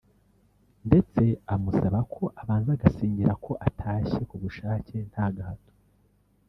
ndetse amusaba ko abanza agasinyira ko atashye kubushake nta gahato